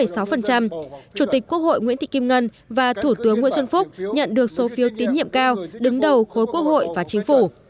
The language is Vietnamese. chủ tịch quốc hội nguyễn thị kim ngân và thủ tướng nguyễn xuân phúc nhận được số phiếu tín nhiệm cao đứng đầu khối quốc hội và chính phủ